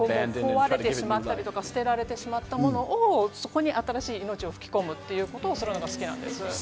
ちょっと壊れてしまったりとか捨てられてしまったものも、そこに新しい命を吹き込むということをするのが好きなんです。